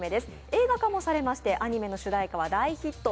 映画化もされましてアニメの主題歌も大ヒット。